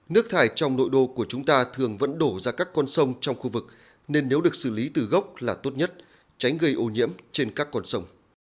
nước thải trong nội đô của chúng ta thường vẫn đổ ra các con sông trong khu vực nên nếu được xử lý từ gốc là tốt nhất tránh gây ô nhiễm trên các con sông